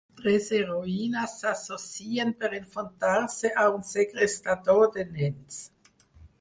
Tres heroïnes s'associen per enfrontar-se a un segrestador de nens.